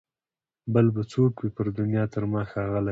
بل به څوک وي پر دنیا تر ما ښاغلی